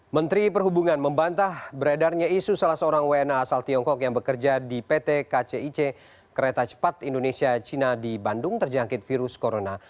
menteri perhubungan membantah beredarnya isu salah seorang wna asal tiongkok yang bekerja di pt kcic kereta cepat indonesia cina di bandung terjangkit virus corona